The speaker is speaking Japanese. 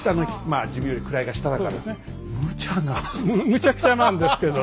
むちゃくちゃなんですけどね。